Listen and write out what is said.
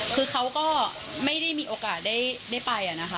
คือเขาก็ไม่ได้มีโอกาสได้ไปนะคะ